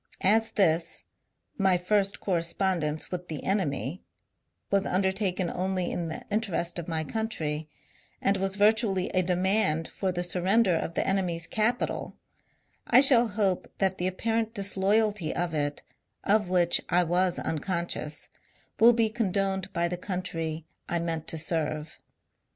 As this, " my first correspondence with the enemy," was undertaken only m the interest of my country, and was virtually a demand for the sur render of the enemy's capital, I shall hope that the apparent disloyalty of it, of which I was unconscious, will be condoned by the countnr I meant to serve.